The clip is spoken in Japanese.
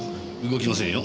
動きませんよ。